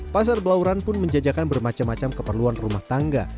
pasar belauran pun menjajakan bermacam macam keperluan rumah tangga